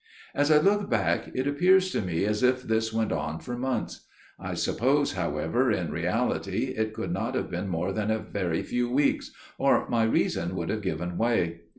As I look back it appears to me as if this went on for months: I suppose, however, in reality, it could not have been more than a very few weeks, or my reason would have given way.